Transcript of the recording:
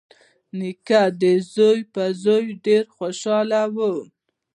نیکه د زوی په زوی ډېر خوشحال وي.